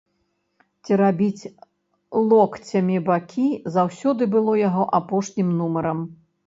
Церабіць локцямі бакі заўсёды было яго апошнім нумарам.